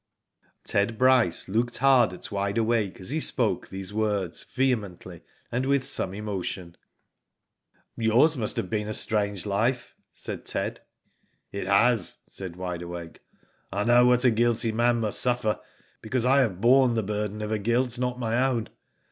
'' Ted Bryce looked hard at Wide Awake as he spoke these words vehemently and with some emotion. "Yours must have been a strange life,'* said Ted. *'It has," said Wide Awake. I know what a guilty man must suffer because I have borne the burden of a guilt not my own.